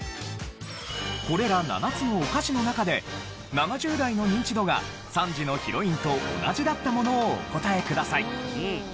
これら７つのお菓子の中で７０代のニンチドが３時のヒロインと同じだったものをお答えください。